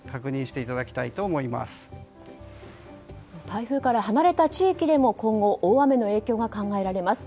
台風から離れた地域でも今後、大雨の影響が考えられます。